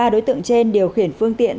ba đối tượng trên điều khiển phương tiện